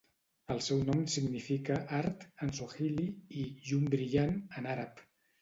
El seu nom significa "art" en suahili i "llum brillant" en àrab.